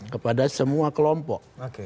kepada semua kelompok